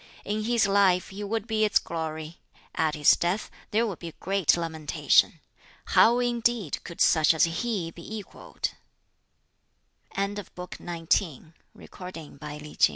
In his life he would be its glory, at his death there would be great lamentation. How indeed could such as he be equalled?" BOOK XX Extracts from the